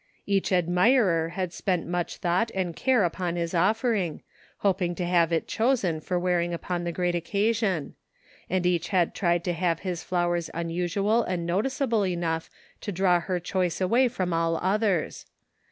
Each admirer had spent much thought and care upon his offering, hoping to have it chosen for wearing upon the great occasion; and each had tried to have his flowers unusual and noticeable enough to draw her choice away from all others.